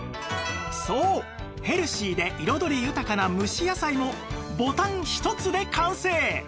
そうヘルシーで彩り豊かな蒸し野菜もボタン１つで完成！